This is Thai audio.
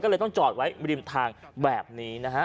ก็เลยต้องจอดไว้ริมทางแบบนี้นะฮะ